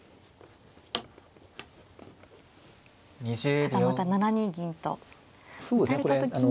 ただまた７二銀と打たれた時に。